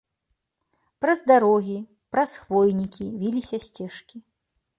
Праз дарогі, праз хвойнікі віліся сцежкі.